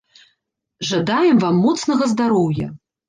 Жадаем вам моцнага здароўя!